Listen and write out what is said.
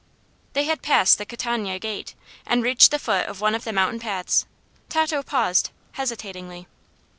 They had passed the Catania Gate and reached the foot of one of the mountain paths. Tato paused, hesitatingly.